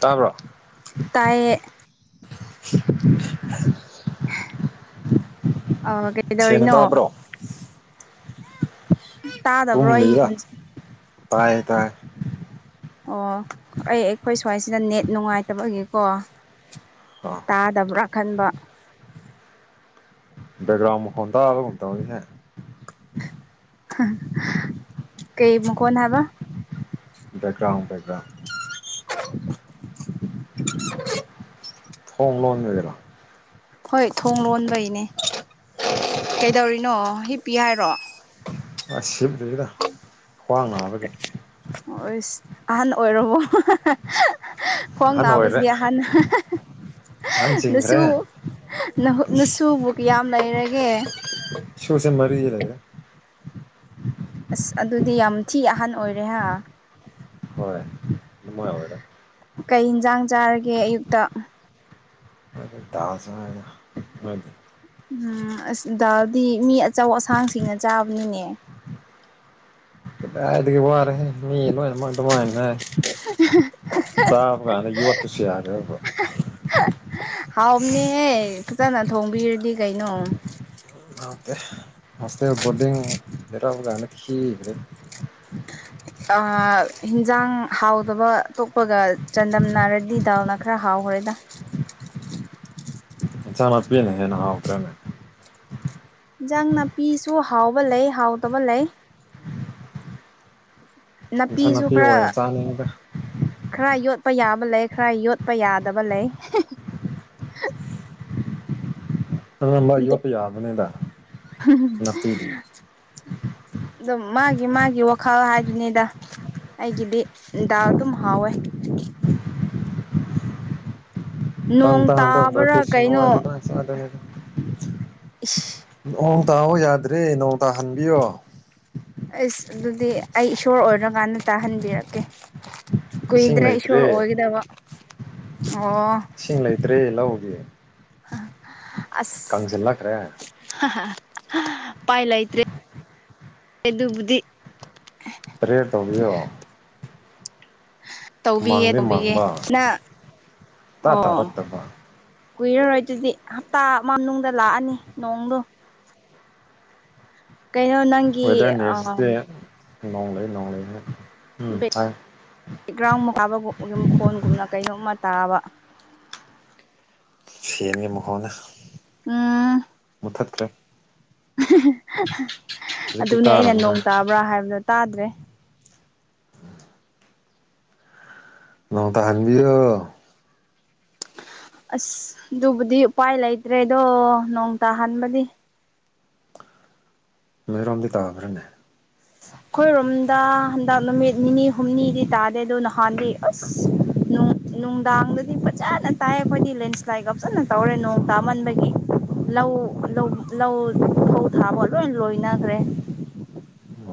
ꯇꯥꯕ꯭ꯔꯣ [inaudible] ꯇꯥꯏꯌꯦ ꯑ ꯀꯩꯗꯔꯤꯅꯣ [inaudible] ꯇꯝ ꯇꯥꯗꯕ꯭ꯔꯣ ꯑꯩꯒꯤ ꯂꯩꯗ ꯈꯣꯟ ꯇꯥꯏ ꯇꯥꯏ ꯑꯣ ꯑꯩ ꯑꯩꯈꯣꯏ ꯁ꯭ꯋꯥꯏꯁꯤꯗ ꯅꯦꯠ ꯅꯨꯡꯉꯥꯏꯇꯕꯒꯤꯀꯣ ꯑ ꯇꯥꯗꯕ꯭ꯔꯥ ꯈꯟꯕ ꯒ꯭ꯔꯝ ꯈꯣꯗꯥ ꯍꯗ ꯍꯥꯏ ꯀꯩ ꯃꯈ ꯀꯣꯟꯅ ꯍꯥꯏꯕ ꯕꯦꯛꯒ꯭ꯔꯥꯎꯟ ꯕꯦꯛꯒ꯭ꯔꯥꯎꯝ [inaudible] [inaudible] ꯊꯣꯡ ꯂꯣꯟꯒꯦꯔ ꯍꯣꯏ ꯊꯣꯡ ꯂꯣꯟꯕꯩꯅꯦ ꯀꯩꯗꯧꯔꯤꯅꯣ ꯍꯤꯞ ꯄꯤ ꯍꯥꯏꯔꯣ ꯑ ꯁꯤꯞꯇꯒꯤꯗ ꯈ꯭ꯋꯥꯡ ꯥꯡꯕꯒꯤ ꯍꯁ ꯑꯍꯟ ꯑꯣꯏꯔꯕꯣ ꯑꯍꯟ ꯑꯣꯏꯔꯦ ꯐꯣꯡꯣꯡꯅꯕꯕꯁꯤꯕꯤ ꯑ ꯍꯥꯟ ꯑꯍꯟ ꯅꯁꯨ ꯆꯤꯡꯈ꯭ꯔꯦ ꯅꯁꯨꯕꯨꯨꯛ ꯌꯥꯝ ꯂꯩꯔꯒꯦ ꯁꯨꯁꯦ ꯃꯔꯤ ꯂꯩꯦꯦ ꯑꯁ ꯑꯗꯨꯗꯤ ꯌꯥꯝ ꯊꯤ ꯑꯍꯟ ꯑꯣꯏꯔꯦ ꯍꯥ ꯅꯨꯡꯃꯥꯏ ꯑꯣꯏꯗ ꯀꯩ ꯏꯟꯁꯥꯡ ꯆꯥꯔꯒꯦ ꯑꯌꯨꯛꯇ ꯇꯥꯁ ꯍꯥꯏꯅꯤ ꯎꯝ ꯑꯁ ꯗꯥꯗꯤ ꯃꯤ ꯑꯆꯧ ꯑꯁꯥꯡꯁꯤꯡꯅ ꯆꯥꯕꯅꯤꯅꯦ ꯗꯥꯏꯗꯒꯤ ꯋꯥꯔꯦ ꯃꯤ ꯂꯣꯏꯅꯃꯛ ꯑꯗꯨꯃꯥꯏꯅ ꯆꯕ ꯀꯅ ꯌ ꯋꯥ ꯈꯨꯁꯤ ꯌꯥꯔꯦ ꯍꯥꯎꯅꯦꯍꯦ ꯐꯖꯅ ꯊꯣꯡꯕꯤꯔꯗꯤ ꯀꯩꯅꯣ ꯑ ꯃꯁꯦ ꯣꯔꯗꯤꯔꯈꯤ ꯍꯤꯟꯖꯥꯡ ꯍꯥꯎꯗꯕ ꯑꯇꯣꯞꯄꯒ ꯆꯥꯟꯗꯝꯅ ꯔꯗꯤ ꯗꯥꯜꯅ ꯈꯔ ꯍꯥꯎꯋ ꯍꯣꯔꯣꯏꯗ ꯏꯟꯆꯥꯃꯅꯥꯄꯤꯅ ꯍꯦꯟꯅ ꯍꯥꯎꯈ꯭ꯔꯦꯅꯦ ꯟꯖꯥꯡ ꯅꯥꯄꯤꯁꯨ ꯍꯥꯎꯕ ꯂꯩ ꯍꯥꯎꯗꯕ ꯂꯩ ꯏꯟꯁꯥꯡ ꯅꯥꯄꯤꯁꯨ ꯅꯥꯄꯤ ꯈꯔ ꯑꯣꯏꯅ ꯆꯥꯅꯤꯡꯉꯤꯗ ꯈꯔ ꯌꯣꯠ ꯠꯄ ꯌꯥꯕ ꯂꯩ ꯈꯔ ꯌꯣꯠꯄ ꯌꯥꯗꯕ ꯂꯩ ꯑꯗꯨꯝꯕ ꯑꯇꯣ ꯌꯣꯠꯄ ꯌꯥꯕꯅꯤꯗ ꯅꯥꯄꯤꯗꯤ ꯑ ꯃꯥꯒꯤ ꯃꯥꯒꯤ ꯋꯥꯈꯜ ꯍꯥꯏꯗꯨꯅꯤꯗ ꯑꯩꯒꯤꯗꯤ ꯗꯥ ꯑꯗꯨꯝ ꯍꯥꯎꯋꯦ ꯇ ꯅꯣꯡ ꯇꯗ ꯇꯥꯕ꯭ꯔꯥ ꯭ꯔꯤꯇꯤꯤꯁꯅ ꯀꯩꯅꯣ ꯋꯥꯖꯗꯥꯗꯅꯦ ꯏꯁ ꯅꯣꯡ ꯇꯥꯑꯣ ꯌꯥꯗ꯭ꯔꯔꯤ ꯅꯣꯡ ꯇꯥꯍꯟꯕꯤꯌꯣ ꯑꯁ ꯑꯗꯨꯗꯤ ꯑꯩ ꯏꯁꯣꯔ ꯑꯣꯏꯔꯀꯥꯟꯗ ꯇꯥꯍꯟꯕꯤꯔꯛꯀꯦ ꯏꯁꯤꯡ ꯀꯣꯏꯗ꯭ꯔꯦ ꯏꯁꯣꯔ ꯂꯩꯇ꯭ꯔꯦ ꯍꯒꯗꯕ ꯏꯁꯤꯡ ꯂꯩꯇ꯭ꯔꯦ ꯂꯧꯒꯦ ꯑ ꯑꯁ ꯄꯥꯏ ꯂꯥꯏꯇꯦ ꯀꯗꯨꯕꯗꯤ ꯇꯔꯦ ꯇꯣꯒꯣ ꯇꯧꯕꯤꯒꯦ ꯇꯧꯕꯤꯒꯦ ꯃꯥꯡꯕ ꯇꯥ ꯑꯣ ꯇꯥꯔꯛꯇꯕ ꯀꯨꯏꯔꯔꯣꯏ ꯑꯗꯨꯗꯤ ꯍꯞꯇꯥ ꯃꯅꯨꯡꯗ ꯂꯥꯛꯑꯅꯤ ꯅꯣꯡꯗꯣ ꯀꯩꯅꯣ ꯅꯪꯒꯤ ꯋꯦꯗꯔꯅꯦꯁꯤꯦ ꯅꯣꯡꯂꯩ ꯅꯣꯡꯂꯩꯅꯦ ꯕꯦꯛꯒ꯭ꯔꯥꯎꯟꯀꯥꯕ ꯃꯈꯣꯟꯒꯨꯝꯅ ꯀꯩꯅꯣꯝꯃ ꯇꯥꯕ ꯁꯦꯟꯒꯤ ꯃꯈꯣꯟꯅ ꯎꯝ ꯈꯠꯠꯇꯔꯦ ꯑꯗꯨꯅꯦ ꯑꯩꯅ ꯇꯥꯔꯝꯃꯔꯣꯏ ꯅꯣꯡ ꯇꯥꯕ꯭ꯔꯥ ꯍꯥꯏꯕꯗꯣ ꯇꯥꯗ꯭ꯔꯦ ꯅꯣꯡ ꯇꯅꯕꯤꯌ ꯑꯁ ꯑꯗꯨꯕꯨꯗꯤ ꯎꯄꯥꯏ ꯂꯩꯇ꯭ꯔꯦꯗꯣ ꯅꯣꯡ ꯇꯥꯍꯟꯕꯗꯤ ꯃꯗꯨꯔꯣꯝꯗꯤ ꯇꯥꯕꯔꯅ ꯑꯩꯈꯣꯏꯔꯣꯝꯗ ꯍꯟꯗꯛ ꯅꯨꯃꯤꯠ ꯅꯤꯅꯤ ꯍꯨꯝꯅꯤꯗꯤ ꯇꯥꯗꯦ ꯑꯗꯨꯗ ꯅꯍꯥꯟꯗꯤ ꯑꯁ ꯅꯨꯡꯗꯥꯡꯗꯗꯤ ꯐꯖꯅ ꯇꯥꯏ ꯑꯩꯈꯣꯏꯗꯤ ꯂꯦꯟꯁ꯭ꯂꯥꯏꯠꯀꯖꯅ ꯇꯧꯔꯦ ꯅꯣꯡ ꯇꯥꯃꯟꯕꯒꯤ ꯂꯧ ꯂꯧ ꯂꯧ ꯐꯧ ꯊꯥꯕ ꯂꯣꯏ ꯂꯣꯏꯅꯈ꯭ꯔꯦ ꯎꯝ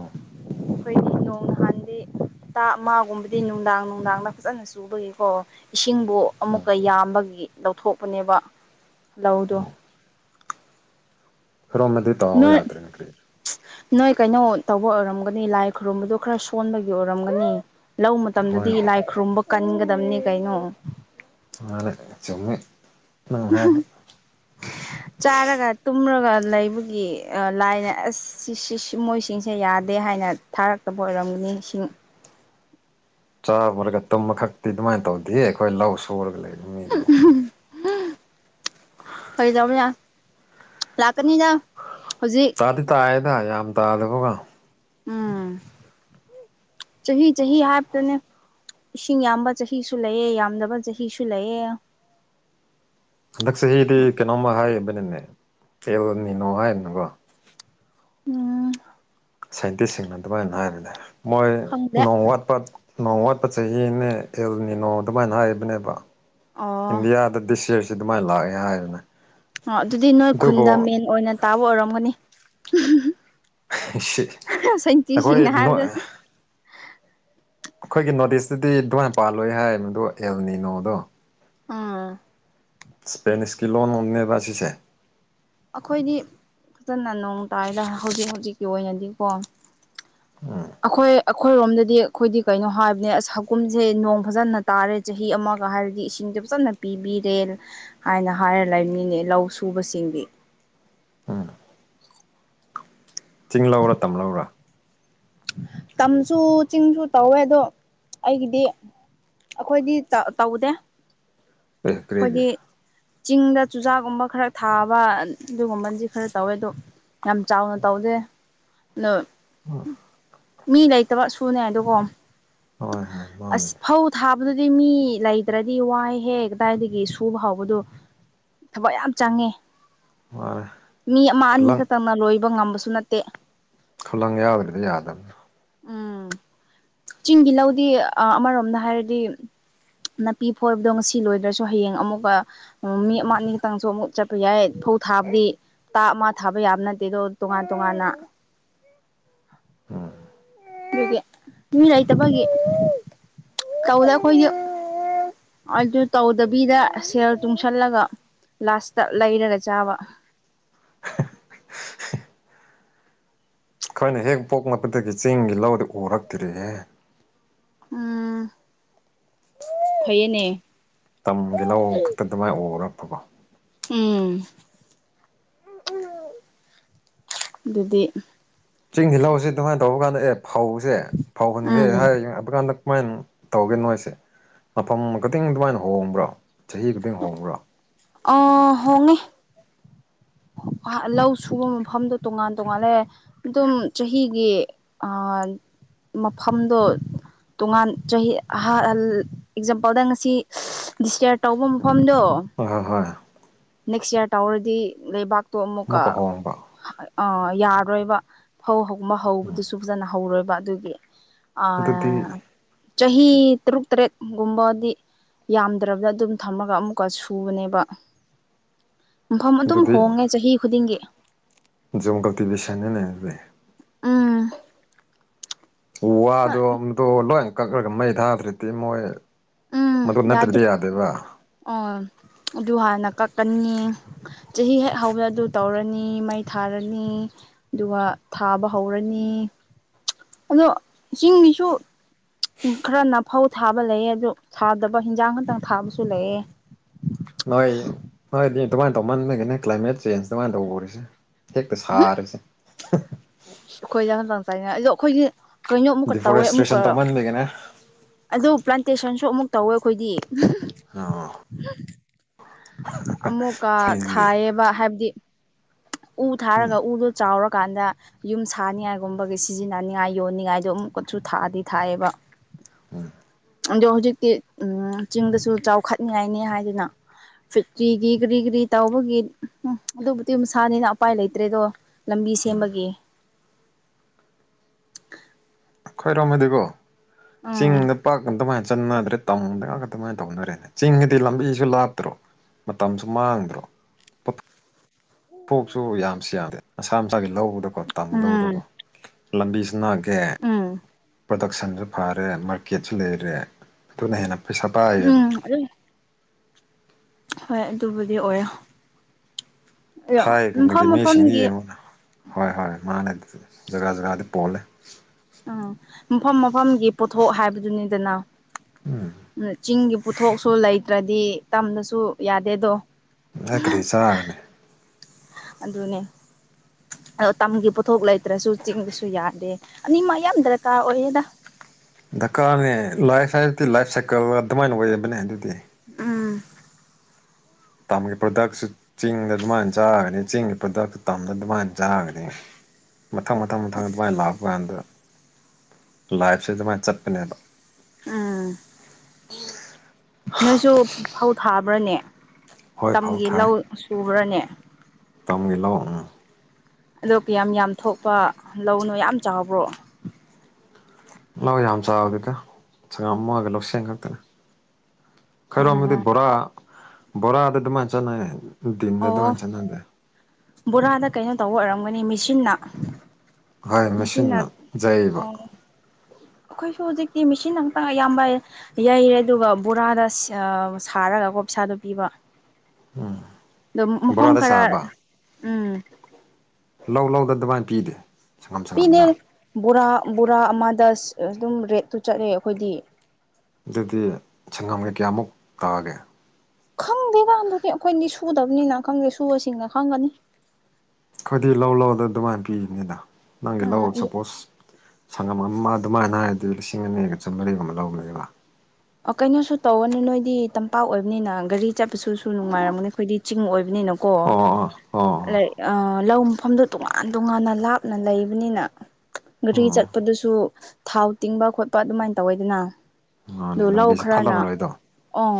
ꯑꯩꯈꯣꯏꯗꯤ ꯅꯣꯡ ꯅꯍꯥꯟꯗꯤ ꯍꯇꯥ ꯑꯃꯒꯨꯝꯕꯗꯤ ꯅꯨꯡꯗꯥꯡ ꯅꯨꯡꯗꯥꯡꯗ ꯐꯖꯅ ꯆꯨꯕꯒꯤꯀꯣ ꯏꯁꯤꯡꯕꯨ ꯎꯝ ꯑꯃꯨꯛꯀ ꯌꯥꯝꯕꯒꯤ ꯂꯧꯊꯣꯛꯄꯅꯦꯕ ꯂꯧꯗꯣ [unintelligible] ꯐꯔꯣ ꯑꯃꯗꯤꯗꯤ ꯇꯧꯔ ꯅꯣꯏ ꯌꯥꯗ꯭ꯔꯦꯅ ꯀꯔꯤ ꯅꯣꯏ ꯀꯩꯅꯣ ꯇꯧꯕ ꯑꯣꯏꯔꯝꯒꯅꯤ ꯂꯥꯏ ꯈꯨꯔꯨꯝꯕꯗꯨ ꯈꯔ ꯁꯣꯟꯕꯒꯤ ꯑꯣꯏꯔꯝꯒꯅꯤ ꯂꯧ ꯍꯣꯏ ꯃꯇꯝꯗꯗꯤ ꯂꯥꯏ ꯈꯨꯔꯨꯝꯕ ꯀꯟꯒꯗꯕꯅꯤ ꯀꯩꯅꯣ ꯃꯥꯅꯦ ꯆꯨꯝꯃꯦ ꯪꯉꯉꯥꯏꯕ ꯆꯥꯔꯒ ꯇꯨꯝꯔꯒ ꯂꯩꯕꯒꯤ ꯂꯥꯏꯅꯦ ꯃꯣꯏꯁꯤꯡꯁꯦ ꯌꯥꯗꯦ ꯍꯥꯏꯅ ꯑꯩꯅ ꯊꯥꯔꯛꯇꯕ ꯑꯣꯏꯔꯝꯒꯅꯤ ꯏꯁꯤꯡ ꯆꯥꯃꯨꯔꯒ ꯇꯨꯝꯃ ꯈꯛꯇꯤ ꯑꯗꯨꯃꯥꯏꯅ ꯇꯧꯗꯦ ꯑꯩꯈꯣꯏ ꯂꯧ ꯁꯨꯔꯒ ꯂꯩꯕ ꯃꯤꯗꯨꯕꯨ [unintelligible] ꯐꯗꯎꯕ ꯌꯥ ꯂꯥꯛꯀꯅꯤꯗ ꯍꯧꯖꯤꯛ ꯇꯥꯗꯤ ꯇꯥꯏꯌꯦꯗ ꯌꯥꯝ ꯇꯥꯗꯕꯀ ꯎꯝ ꯆꯍꯤꯍꯤ ꯆꯍꯤ ꯍꯥꯇꯅꯦ ꯏꯁꯤꯡ ꯌꯥꯝꯕ ꯆꯍꯤꯁꯨ ꯂꯩꯌꯦ ꯌꯥꯝꯗꯕ ꯆꯍꯤꯁꯨ ꯂꯩꯌꯦ ꯍꯟꯗꯛ ꯆꯍꯤꯗꯤ ꯀꯩꯅꯣꯝꯃ ꯍꯥꯏꯕꯅꯤꯅꯦ ꯀꯩꯗꯧꯔꯝꯃꯤꯅꯣ ꯍꯥꯏꯅꯀꯣ ꯎꯝ ꯁꯥꯏꯟꯇꯤꯁꯁꯤꯡꯅ ꯑꯗꯨꯃꯥꯏꯅ ꯍꯥꯏꯕꯅꯦ ꯃꯣꯏ ꯈꯪꯗꯦ ꯅꯣꯡ ꯋꯥꯠꯄ ꯅꯣꯡ ꯋꯥꯠꯄ ꯆꯍꯤꯅꯦ ꯑꯦꯜꯅꯤ ꯅꯣꯡ ꯑꯗꯨꯃꯥꯏꯅ ꯍꯥꯏꯕꯅꯦꯕ ꯑꯣ ꯏꯟꯗꯤꯌꯥꯗ ꯗꯤꯁꯤꯌꯔꯁꯤ ꯑꯗꯨꯃꯥꯏꯅ ꯂꯥꯛꯑꯦ ꯍꯥꯏꯕꯅꯦ ꯑꯣ ꯑꯗꯨꯗꯤ ꯅꯣꯏ ꯑꯗꯨꯕꯨ ꯈꯨꯟꯗ ꯃꯦꯟ ꯑꯣꯏꯅ ꯇꯥꯕ ꯑꯣꯏꯔꯝꯒꯅꯤ ꯑꯩꯈꯣꯏ ꯁꯥꯏꯟꯇꯤꯁꯁꯤꯡꯅ ꯅ ꯍꯥꯏꯕꯗ ꯑꯩꯈꯣꯏꯒꯤ ꯅꯣꯔꯠ ꯏꯁꯇꯨꯗꯤ ꯑꯗꯨꯃꯥꯏꯅ ꯄꯥꯜꯂꯣꯏ ꯍꯥꯏ ꯃꯗꯣ ꯑꯦꯜꯅꯤꯅꯣꯗꯣ ꯑꯥ ꯏꯁꯄꯦꯅꯤꯁꯀꯤ ꯂꯣꯟꯅꯦꯕꯁꯤꯁꯦ ꯑꯩꯈꯣꯏꯗꯤ ꯐꯖꯅ ꯅꯣꯡ ꯇꯥꯏꯗ ꯍꯧꯖꯤꯛ ꯍꯧꯖꯤꯛꯀꯤ ꯑꯣꯏꯅꯗꯤꯀꯣ ꯑꯩꯈꯣꯏ ꯑꯩꯈꯣꯏꯔꯣꯝꯗꯗꯤ ꯑꯩꯈꯣꯏꯗꯤ ꯀꯩꯅꯣ ꯍꯥꯏꯕꯅꯦ ꯑꯁ ꯍꯀꯨꯝꯁꯦ ꯅꯣꯡ ꯐꯖꯟꯅ ꯇꯥꯔꯦ ꯆꯍꯤ ꯑꯃꯒ ꯍꯥꯏꯔꯗꯤ ꯏꯁꯤꯡ ꯐꯖꯅ ꯄꯤꯕꯤꯔꯦ ꯍꯥꯏꯅ ꯍꯥꯏꯔ ꯂꯩꯃꯤꯅꯦ ꯂꯧ ꯁꯨꯕꯁꯤꯡꯗꯤ [unintelligible] ꯆꯤꯡ ꯂꯧꯔ ꯇꯝꯍꯧꯔꯥ ꯇꯝꯁꯨ ꯆꯤꯡꯁꯨ ꯇꯧꯋꯦ ꯑꯗꯣ ꯑꯩꯒꯤꯗꯤ ꯑꯩꯈꯣꯏꯗꯤ ꯇꯧꯗꯦ ꯀ꯭ꯔꯔꯤꯒꯤ ꯑꯩꯈꯣꯏꯗꯤ ꯆꯤꯡꯗ ꯆꯨꯖꯥꯛꯒꯨꯝꯕ ꯈꯔ ꯊꯥꯕ ꯑꯗꯨꯒꯨꯝꯕꯗꯤ ꯈꯔ ꯇꯧꯋꯦ ꯑꯗꯣ ꯌꯥꯝ ꯆꯥꯎꯅ ꯇꯧꯗꯦ ꯑꯗꯣ ꯎꯝ ꯃꯤ ꯂꯩꯇꯕ ꯁꯨꯅꯦ ꯑꯗꯨ ꯀꯣ ꯍꯣꯏ ꯍꯣꯏ ꯃꯥꯅꯦ ꯑꯗꯨꯗꯤ ꯃꯤ ꯂꯩꯇ꯭ꯔꯗꯤ ꯋꯥꯏꯍꯦ ꯀꯗꯥꯏꯗꯒꯤ ꯁꯨꯕ ꯍꯧꯕꯗꯣ ꯊꯕꯛ ꯌꯥꯝ ꯆꯪꯉꯦ ꯃꯥꯅꯦ ꯃꯤ ꯑꯃ ꯑꯅꯤ ꯈꯨꯂꯪ ꯈꯛꯇꯪꯅ ꯂꯣꯏꯕ ꯉꯝꯕꯁꯨ ꯅꯠꯇꯦ ꯈꯨꯂꯪ ꯌꯥꯎꯗꯔꯗꯤ ꯌꯥꯗꯕꯅꯦ ꯎꯝ ꯆꯤꯡꯒꯤ ꯂꯧꯗꯤ ꯑꯃꯔꯣꯝꯗ ꯍꯥꯏꯔꯗꯤ ꯅꯥꯄꯤ ꯐꯣꯏꯕꯗꯣ ꯉꯁꯤ ꯂꯣꯏꯗ꯭ꯔꯁꯨ ꯍꯌꯦꯡ ꯑꯃꯨꯛꯀ ꯃꯤ ꯑꯃ ꯑꯅꯤ ꯈꯛꯇꯪꯁꯨ ꯑꯃꯨꯛꯁꯨ ꯆꯠꯄ ꯌꯥꯏ ꯐꯧ ꯊꯥꯕꯗꯤ ꯇꯥ ꯑꯃ ꯊꯥꯕ ꯌꯥꯕ ꯅꯠꯇꯦ ꯇꯣꯉꯥꯟ ꯇꯣꯉꯥꯟꯅ ꯎꯝ ꯑꯗꯨꯒꯤ ꯃꯤ ꯂꯩꯇꯕꯒꯤ ꯀꯧꯗ ꯑꯩꯈꯣꯏꯖꯨ ꯑꯗꯨ ꯇꯧꯗꯕꯤꯗ ꯁꯔ ꯇꯨꯡꯁꯜꯂꯒ ꯂꯥꯁꯇ ꯂꯩꯔꯒ ꯆꯥꯕ [unintelligible] ꯑꯩꯈꯣꯏꯅ ꯍꯦꯛ ꯄꯣꯛꯂꯛꯄꯗꯒꯤ ꯆꯦꯡꯒꯤ ꯂꯧꯗꯤ ꯎꯔꯛꯇꯔꯤꯍꯦ ꯎꯝ ꯐꯏꯌꯦꯅꯦ ꯇꯝꯒꯤ ꯂꯧ ꯈꯛꯇ ꯑꯗꯨꯃꯥꯏꯅ ꯎꯔꯛꯄꯀꯣ ꯎꯝ ꯑꯗꯨꯗꯤ ꯆꯤꯡꯒꯤ ꯂꯧꯖꯦ ꯑꯗꯨꯃꯥꯏꯅ ꯇꯧꯕ ꯀꯥꯟꯗ ꯑꯦ ꯐꯧꯁꯦ ꯐꯧꯍꯟꯈ꯭ꯔꯦ ꯎꯝ ꯍꯥꯏ ꯍꯥꯏꯕ ꯀꯥꯟꯗ ꯀꯨꯃꯥꯏꯅ ꯇꯧꯒꯦꯅꯣꯏꯁꯦ ꯃꯐꯝ ꯈꯛꯇꯪ ꯑꯗꯨꯃꯥꯏꯅ ꯍꯣꯡꯕ꯭ꯔꯥ ꯆꯍꯤ ꯈꯛꯇꯪ ꯍꯣꯡꯕꯔꯣ ꯑ ꯍꯣꯡꯉꯦ ꯂꯧ ꯁꯨꯕ ꯃꯐꯝꯗꯣ ꯇꯣꯉꯥꯟ ꯇꯣꯉꯥꯟꯜꯂꯦ ꯑꯗꯨꯝ ꯆꯍꯤꯒꯤ ꯑꯥ ꯃꯐꯝꯗꯣ ꯇꯣꯉꯥꯟ ꯆꯍꯤ ꯑꯦꯛꯖꯥꯝꯄꯜꯗ ꯉꯁꯤ ꯗꯤꯁꯀꯌꯥꯔ ꯇꯧꯕ ꯃꯐꯝꯗꯣ ꯍꯣꯏ ꯍꯣꯏ ꯍꯣꯏ ꯅꯦꯛꯁ ꯏꯔ ꯇꯧꯔꯗꯤ ꯂꯩꯕꯥꯛ ꯇꯣ ꯑꯃꯨꯛꯀ ꯌꯥꯔꯣꯏꯕ ꯐꯧꯕ ꯍꯧꯕꯗꯨꯁꯨ ꯐꯖꯅ ꯍꯧꯔꯣꯏꯕ ꯑꯗꯨꯒꯤ ꯑꯗꯨꯗꯤ ꯑꯥ ꯆꯍꯤ ꯇꯔꯨꯛ ꯇꯔꯦꯠꯒꯨꯝꯕꯗꯤ ꯌꯥꯝꯗ꯭ꯔꯕꯗ ꯑꯗꯨꯝ ꯊꯝꯃꯒ ꯑꯃꯨꯛꯀ ꯁꯨꯕꯅꯦꯕ [unintelligible] ꯃꯐꯝ ꯑꯗꯨꯝ ꯍꯣꯡꯉꯦ ꯆꯍꯤ ꯈꯨꯗꯤꯡꯒꯤ ꯣꯡꯒꯥꯜꯀꯤ ꯁꯅꯅꯦ ꯎꯝ ꯎ ꯋꯥꯗꯣꯗꯣ ꯂꯣꯏꯅ ꯀꯛꯂꯒ ꯃꯩ ꯊꯥꯗ꯭ꯔꯗꯤ ꯃꯣꯏ ꯎꯝ ꯃꯗꯨ ꯌꯥꯗꯦ ꯅꯠꯇ꯭ꯔꯗꯤ ꯌꯥꯗꯦꯕ ꯑꯣ ꯑꯗꯨ ꯍꯥꯟꯅ ꯀꯛꯀꯅꯤ ꯆꯍꯤ ꯍꯦꯛ ꯍꯧꯕ ꯑꯗꯨ ꯇꯧꯔꯅꯤ ꯃꯩ ꯊꯥꯔꯅꯤ ꯑꯗꯨꯒ ꯊꯥꯕ ꯍꯧꯔꯅꯤ ꯑꯗꯣ ꯆꯤꯡꯃꯤꯁꯨ ꯈꯔꯅ ꯐꯧ ꯊꯥꯕ ꯂꯩꯑ ꯑꯗꯨ ꯊꯥꯗꯕ ꯍꯟꯖꯥꯡ ꯈꯛꯇꯪ ꯊꯥꯕꯁꯨ ꯂꯩꯑ ꯅꯣꯏ ꯅꯣꯏꯗꯤ ꯑꯗꯨꯃꯥꯏꯅ ꯇꯧꯃꯟꯅꯒꯤꯅꯦ ꯀ꯭ꯂꯥꯏꯃꯦꯠ ꯆꯦꯟꯖ ꯑꯗꯨꯃꯥꯏꯅ ꯇꯧ ꯎꯔꯤꯁꯦ ꯍꯦꯛꯇ ꯁꯥꯔꯤꯁꯦ ꯑꯩꯈꯣꯏꯗ ꯉꯇꯥꯡ ꯆꯥꯏꯉꯥꯏ ꯑꯗꯣ ꯑꯩꯈꯣꯏꯗꯤ ꯀꯩꯅꯣ ꯑꯃꯨꯛꯀ ꯇꯧꯋꯦ ꯑꯃꯨꯛꯀ ꯗꯤꯐꯣꯔꯦꯁꯇ꯭ꯔꯦꯁꯟ ꯇꯧꯃꯟꯕꯒꯤꯅꯦ ꯑꯗꯨ ꯄ꯭ꯂꯥꯟꯇꯦꯁꯟꯁꯨ ꯑꯃꯨꯛ ꯇꯧꯋꯦ ꯑꯩꯈꯣꯏꯗꯤ ꯑ ꯑꯃꯨꯛꯀ ꯊꯥꯏꯌꯦꯕ ꯍꯥꯏꯕꯗꯤ ꯎ ꯊꯥꯔꯒ ꯎꯗꯣ ꯆꯥꯎꯔ ꯀꯥꯟꯗ ꯌꯨꯝ ꯁꯥꯅꯤꯉꯥꯏꯒꯨꯝꯕꯒꯤ ꯁꯤꯖꯤꯟꯅꯅꯤꯡꯉꯥꯏ ꯌꯣꯟꯅꯤꯡꯉꯥꯏꯗꯣ ꯑꯃꯨꯛꯀꯁꯨ ꯊꯥꯛꯑꯗꯤ ꯊꯥꯏꯑꯕ ꯎꯝ ꯑꯗꯣ ꯍꯧꯖꯤꯛꯇꯤ ꯎꯝ ꯆꯤꯡꯗꯁꯨ ꯆꯥꯎꯈꯠꯅꯤꯉꯥꯏꯅꯤ ꯍꯥꯏꯗꯅ ꯐꯦꯛꯇ꯭ꯔꯤꯒꯤ ꯀꯔꯤ ꯀꯔꯤ ꯇꯥꯎꯕꯒꯤ ꯎꯝ ꯑꯗꯨꯕꯨꯗꯤ ꯁꯥꯅꯤꯅ ꯑꯄꯥꯏ ꯂꯩꯇ꯭ꯔꯦꯗꯣ ꯂꯝꯕꯤ ꯁꯦꯝꯕꯒꯤ [unintelligible] ꯈꯣꯏꯔꯣꯝꯃꯗꯤꯀꯣ ꯎꯝ ꯆꯤꯡꯗ ꯄꯥꯛꯀꯇꯥꯏꯅꯁꯤ ꯆꯠꯅꯗ꯭ꯔꯦ ꯇꯥꯎꯅꯗꯒꯒ ꯑꯗꯨꯃꯥꯏꯅ ꯇꯧꯅꯔꯦꯅ ꯆꯤꯡꯒꯤꯗꯤ ꯂꯝꯕꯤꯁꯨ ꯂꯥꯞꯇ꯭ꯔꯣ ꯃꯇꯝꯁꯨ ꯃꯥꯡꯗ꯭ꯔꯣ ꯄꯣꯠꯊꯣꯛꯁꯨ ꯌꯥꯝꯁꯨ ꯌꯥꯝꯗꯦ ꯃꯁꯥ ꯃꯁꯥꯒꯤ ꯂꯧꯕꯗꯀꯣ ꯇꯝ ꯎꯝ ꯂꯗꯀꯣ ꯂꯝꯕꯤꯁꯤ ꯅꯥꯑꯒꯦꯗꯛ ꯎꯝ ꯀꯛꯁꯟꯁꯨ ꯐꯔꯦ ꯃꯥꯔꯀꯦꯠꯁꯨ ꯂꯩꯔꯦ ꯑꯗꯨꯅ ꯍꯦꯟꯅ ꯄꯩꯁꯥ ꯄꯥꯏꯌꯦꯕ ꯎꯝ ꯑꯗꯨ ꯍꯣꯏ ꯑꯗꯨꯕꯨꯗꯤ ꯑꯣꯏꯔꯣ ꯃꯐꯝ ꯊꯥꯏꯒꯤ ꯃꯤꯁꯤꯡꯗꯤ ꯃꯐꯝꯒꯤ ꯌꯦꯡꯉꯨꯅ ꯍꯣꯏ ꯍꯣꯏ ꯃꯥꯂ ꯖꯒꯥ ꯖꯒꯥꯗꯤ ꯄꯣꯜꯂꯦ ꯎꯝ ꯃꯐꯝ ꯃꯐꯝꯒꯤ ꯄꯣꯠꯊꯣꯛ ꯍꯥꯏꯕꯗꯨꯅꯤꯗꯅ ꯆꯤꯡꯒꯤ ꯄꯨꯊꯣꯛꯁꯨ ꯂꯩꯇ꯭ꯔꯗꯤ ꯇꯝꯗꯁꯨ ꯌꯥꯗꯦꯗꯣ ꯅꯣꯏ ꯀꯔꯤ ꯆꯥꯒꯅꯤ ꯑꯗꯨꯗꯅꯦ ꯑꯗꯣ ꯇꯝꯒꯤ ꯄꯣꯊꯣꯛ ꯂꯩꯇ꯭ꯔꯁꯨ ꯆꯤꯡꯕꯁꯨ ꯌꯥꯗꯦ ꯑꯅꯤꯃ ꯌꯥꯝ ꯗꯔꯀꯥꯔ ꯑꯣꯏꯌꯦꯗ ꯗꯀꯥꯔꯅꯦ ꯂꯥꯏꯐ ꯍꯥꯏꯕꯗꯤ ꯂꯥꯏꯐ ꯁꯥꯏꯀꯜ ꯑꯗꯨꯃꯥꯏꯅ ꯑꯣꯏꯕꯅꯦ ꯑꯗꯨꯗꯤ ꯎꯝ ꯇꯝꯒꯤ ꯄ꯭ꯔꯗꯛꯁꯨ ꯆꯤꯡꯗ ꯑꯗꯨꯃꯥꯏꯅ ꯆꯥꯔꯒꯅꯤ ꯆꯤꯡꯒꯤ ꯄ꯭ꯔꯗꯛꯁꯨ ꯇꯝꯗ ꯑꯗꯨꯃꯥꯏꯅ ꯆꯥꯒꯅꯤ [unintelligible] ꯃꯊꯪ ꯃꯊꯪ ꯃꯊꯪ ꯑꯗꯨꯃꯥꯏꯅ ꯂꯥꯛꯄ ꯀꯥꯟꯗ ꯂꯥꯏꯐꯁꯦ ꯑꯗꯨꯃꯥꯏꯅ ꯆꯠꯄꯅꯦꯕ ꯎꯝ ꯅꯣꯏꯁꯨ ꯐꯧ ꯊꯥꯕ꯭ꯔꯅꯦ ꯍꯣꯏ ꯇꯝꯒꯤ ꯂꯧ ꯁ ꯄꯨꯨꯔꯅꯦ ꯇꯝꯒꯂꯣ ꯎ ꯑꯗꯣꯞ ꯀꯌꯥꯝ ꯌꯥꯝ ꯊꯣꯛꯄ ꯂꯧꯅꯣ ꯌꯥꯝ ꯆꯥꯎꯕ꯭ꯔꯣ ꯂꯥꯛ ꯌꯥꯝ ꯆꯥꯕꯗꯤꯀ ꯆꯉꯝ ꯑꯃꯒ ꯂꯧꯁꯦꯡ ꯈꯛꯇꯅꯦ ꯈꯔꯣꯝ ꯑꯃꯗꯤꯗꯤ ꯎꯝ ꯕꯣꯔꯥ ꯕꯣꯔꯥꯗꯤ ꯑꯗꯨꯃꯥꯏꯅ ꯆꯥꯟꯅꯩ ꯗꯗ ꯑꯣ ꯃꯁ ꯅꯪꯗ ꯕꯣꯔꯥꯗ ꯀꯩꯅꯣ ꯇꯧꯕ ꯑꯣꯏꯔꯝꯒꯅꯤ ꯃꯦꯆꯟꯅ ꯍꯣꯏ ꯃꯁꯤꯅ ꯌꯩꯕ ꯑꯩꯈꯣꯏꯁꯨ ꯍꯧꯖꯤꯛꯇꯤ ꯃꯤꯦꯁꯤ ꯉꯛꯇ ꯑꯌꯥꯝꯕ ꯌꯩꯔꯦ ꯑꯗꯨꯒ ꯕꯣꯔꯥꯗ ꯁꯥꯔꯒ ꯒꯣꯞꯁꯗꯣ ꯄꯤꯕ ꯑꯗ ꯃꯐꯝ ꯕꯣꯔꯥꯗ ꯈꯔ ꯁꯥꯕ ꯎꯝ ꯂꯧ ꯂꯧꯗꯅ ꯑꯗꯨꯃꯥꯏꯅ ꯄꯤꯗꯦ ꯁꯪꯉꯝ ꯄꯤꯅꯦ ꯁꯪꯉꯝꯗ ꯕꯣꯔꯥ ꯕꯣꯔꯥ ꯑꯃꯗꯁ ꯑꯗꯨꯝ ꯔꯦꯠꯇꯨ ꯆꯠꯂꯦ ꯑꯩꯈꯣꯏꯗꯤ ꯑꯗꯨꯗꯤ ꯁꯪꯒꯝꯒꯩ ꯀꯌꯥꯃꯨꯛ ꯇꯛꯑꯒꯦ ꯈꯪꯗꯦꯀꯥꯟꯗꯨꯗꯤ ꯑꯩꯈꯣꯏꯗꯤ ꯁꯨꯗꯕꯅꯤꯅ ꯈꯪꯗꯦ ꯁꯨꯕꯁꯤꯡꯅ ꯈꯪꯒꯅꯤ ꯑꯩꯈꯣꯏꯗꯤ ꯂꯧ ꯂꯧꯗ ꯑꯗꯨꯃꯥꯏꯅ ꯄꯤꯔꯤꯅꯤꯗ ꯅꯪꯒꯤ ꯎꯝ ꯂꯧ ꯑꯗꯨ ꯁꯄꯣꯁ ꯁꯪꯉꯝ ꯑꯗꯨꯃꯥꯏꯅ ꯍꯥꯏꯔꯗꯤ ꯂꯤꯁꯤꯡ ꯑꯅꯤꯒ ꯆꯨꯝꯂꯔꯤꯒꯨꯝ ꯑꯃ ꯂꯧꯕꯅꯤꯕ ꯑꯣ ꯀꯩꯅꯣꯁꯨ ꯇꯧꯔꯅꯤ ꯅꯣꯏꯗꯤ ꯇꯝꯄꯥꯛ ꯑꯣꯏꯕꯅꯤꯅ ꯒꯥꯔꯤ ꯆꯠꯄꯁꯨ ꯅꯨꯡꯉꯥꯏꯔꯝꯒꯅꯤ ꯑꯩꯈꯣꯏꯗꯤ ꯆꯤꯡ ꯑꯣꯏꯕ ꯑꯣ ꯑꯣ ꯑꯣ ꯅꯣ ꯃꯐꯝꯗꯨ ꯇꯣꯉꯥꯟ ꯇꯣꯉꯥꯟꯅ ꯂꯥꯞꯅ ꯂꯩꯕꯅꯤꯅ ꯒꯥꯔꯤ ꯑꯣ ꯑꯣ ꯆꯠꯄꯗꯨꯁꯨ ꯊꯥꯎ ꯇꯤꯡꯕ ꯈꯣꯠꯄ ꯑꯗꯨꯃꯥꯏꯅ ꯇꯧꯋꯦꯗꯅ ꯃꯥꯅꯦ ꯑꯣ ꯂꯧ ꯂꯝꯕꯤꯁꯦ ꯈꯔꯅ ꯐꯠꯂꯝꯔꯣꯏꯗꯣ ꯑꯣ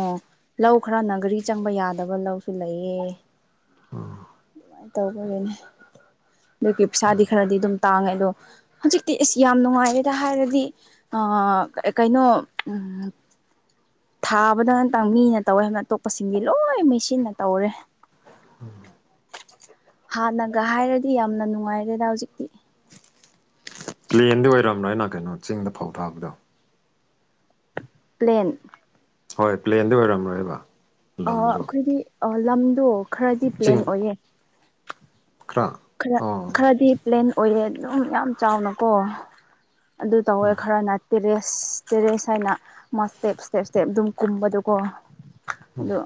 ꯂꯧ ꯈꯔꯅꯒꯥꯔꯤ ꯆꯪꯕ ꯌꯥꯗꯕ ꯂꯧ ꯁꯨ ꯂꯩꯌꯦ ꯑꯗꯨꯃꯥꯏꯅ ꯇꯧꯧꯕꯒꯤꯅꯦ ꯑꯗꯨꯒꯤ ꯄꯩꯁꯥꯗꯤ ꯈꯔꯗꯤ ꯑꯗꯨꯝ ꯇꯥꯡꯉꯦ ꯑꯗꯣ ꯍꯧꯖꯤꯛꯇꯤ ꯑꯁ ꯌꯥꯝ ꯅꯨꯡꯉꯥꯏꯔꯦꯗ ꯍꯥꯏꯔꯗꯤ ꯀꯩꯅꯣ [unintelligible] ꯊꯥꯕꯗ ꯉꯇꯪ ꯃꯤꯅ ꯇꯧꯋꯦ ꯍꯥꯏꯅ ꯑꯇꯣꯞꯄꯁꯤꯡꯗꯤ ꯂꯣꯏ ꯃꯩꯁꯤꯟꯅ ꯇꯧꯔꯦ ꯎꯝ [inaudible] [unintelligible] ꯍꯥꯟꯅꯒ ꯍꯥꯏꯔꯗꯤ ꯌꯥꯝꯅ ꯅꯨꯡꯉꯥꯏꯔꯦꯗ ꯍꯧꯖꯤꯛꯇꯤ ꯄ꯭ꯂꯦꯟꯗꯤ ꯑꯣꯏꯔꯝ꯭ꯔꯅ ꯀꯩꯅꯣ ꯆꯤꯡꯗ ꯐꯧ ꯊꯥꯛꯕꯗꯣ ꯄ꯭ꯂꯦꯟ ꯍꯣꯏ ꯄ꯭ꯂꯦꯟꯗꯤ ꯑꯣꯏꯔꯝꯔꯣꯏꯕ ꯂꯝꯗꯣ ꯑꯩꯈꯣꯏꯒꯤ ꯂꯝꯗꯣ ꯈꯔꯗꯤ ꯄ꯭ꯂꯦꯟ ꯆꯤꯡ ꯑꯣꯏꯌꯦ ꯈꯔ ꯈꯔ ꯑꯣ ꯈꯔꯗꯤ ꯄ꯭ꯂꯦꯟ ꯑꯣꯏꯔꯦ ꯑꯗꯨꯝ ꯌꯥꯝ ꯆꯥꯎꯅꯀꯣ ꯑꯗꯨ ꯇꯧꯋꯦ ꯈꯔ ꯅꯠꯇꯦꯔꯦ ꯑꯁ ꯇꯦꯔꯦꯁ ꯍꯥꯏꯅ ꯃꯥ ꯏꯁꯇꯦꯞ ꯏꯁꯇꯦꯞ ꯏꯁꯇꯦꯞ ꯑꯗꯨꯝ ꯀꯨꯝꯕꯗꯀꯣ ꯑꯗꯣ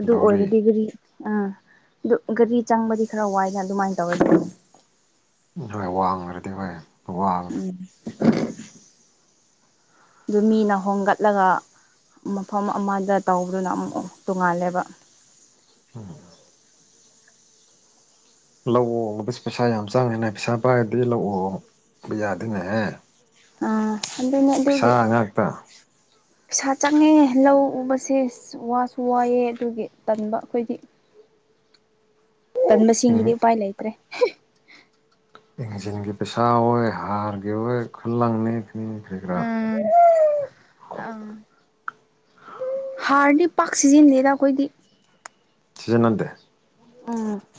ꯑꯗꯨ ꯑꯣꯏꯔꯦ ꯂꯧꯔꯤ ꯗꯤꯒ꯭ꯔꯤ ꯎꯥ ꯑꯗꯨ ꯒꯥꯔꯤ ꯆꯪꯕꯗꯤ ꯈꯔ ꯋꯥꯏꯅ ꯑꯗꯨꯃꯥꯏꯅ ꯇꯧꯔꯦ ꯑꯗꯨ ꯍꯣꯏ ꯋꯥꯡꯈ꯭ꯔꯗꯤ ꯍꯣꯏ ꯋꯥꯕꯅꯦ ꯎꯝ [unintelligible] ꯑꯗꯨ ꯃꯤꯅ ꯍꯣꯡꯒꯠꯂꯒ ꯃꯐꯝ ꯑꯃꯗ ꯇꯧꯕꯗꯨꯅ ꯑꯃꯨꯛ ꯇꯣꯡꯉꯥꯜꯂꯦꯕ ꯎꯝ [inaudible] ꯂꯧꯍꯣꯡꯕꯁꯤ ꯄꯩꯁꯥ ꯌꯥꯝ ꯆꯪꯉꯦꯅꯦ ꯄꯩꯁꯥ ꯄꯥꯏꯔꯗꯤ ꯂꯧ ꯎꯕ ꯌꯥꯗꯦꯅꯦꯍꯦ ꯑ ꯄꯩꯁꯥ ꯉꯥꯛꯇ ꯄꯩꯁꯥ ꯆꯪꯉꯦ ꯂꯧ ꯎꯕꯁꯦ ꯋꯥꯁꯨ ꯋꯥꯏꯑꯦ ꯑꯗꯨꯒꯤ ꯇꯟꯕ ꯑꯩꯈꯣꯏꯗꯤ ꯑꯗꯨ ꯃꯁꯤꯡꯒꯤꯗꯤ ꯎꯄꯥꯏ ꯂꯩꯇ꯭ꯔꯦ ꯏꯟꯖꯤꯟꯒꯤ ꯄꯩꯁꯥ ꯑꯣꯏ ꯍꯥꯔꯒꯤ ꯑꯣꯏ ꯈꯨꯂꯪꯅꯤ ꯎꯝ ꯑ ꯍꯥꯔꯗꯤ ꯄꯥꯛ ꯁꯤꯖꯤꯟꯅꯟꯅꯦꯗ ꯑꯩꯈꯣꯏꯗꯤ ꯁꯤꯖꯤꯟꯅꯟꯗꯦ ꯎꯝ